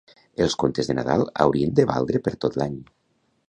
Els contes de Nadal haurien de valdre per tot l'any.